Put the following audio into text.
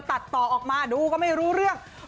ตัดต่อออกมาดูก็ไม่รู้เรื่อง